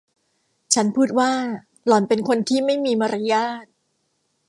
ฉันพูดว่า”หล่อนเป็นคนที่ไม่มีมารยาท”